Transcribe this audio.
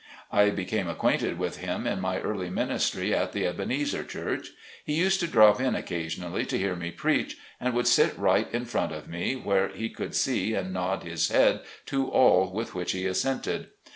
I became acquainted with him in my early ministry at the Ebenezer church. He used to drop in occasionally to hear me preach, and would sit right in front of me where he could see and nod his head to all with which he assented.